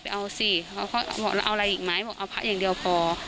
เอาสิเขาก็บอกแล้วเอาอะไรอีกไหมบอกเอาพระอย่างเดียวพอ